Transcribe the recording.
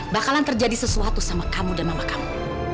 bakalan terjadi sesuatu sama kamu dan mama kamu